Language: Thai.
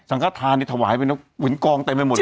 ซังฆฐานถวายไปกว่านี้กองเต็มไปหมดเลย